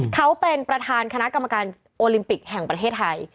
เขาเป็นประธานคณะกรรมการโอลิมปิกแห่งประเทศไทย